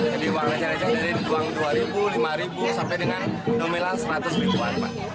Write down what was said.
jadi uangnya dari dua lima sampai dengan nomelan seratus an